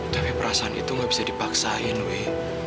tapi perasaan itu gak bisa dipaksain wi